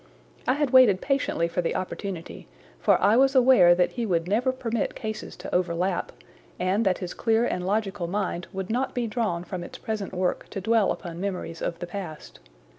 I had waited patiently for the opportunity for I was aware that he would never permit cases to overlap, and that his clear and logical mind would not be drawn from its present work to dwell upon memories of the past.